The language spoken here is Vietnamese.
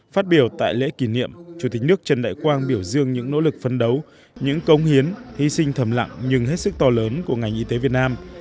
phát biểu tại lễ kỷ niệm chủ tịch nước trần đại quang biểu dương những nỗ lực phân đấu những công hiến hy sinh thầm lặng nhưng hết sức to lớn của ngành y tế việt nam